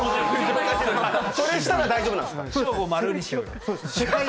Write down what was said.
それしたら大丈夫なんですか。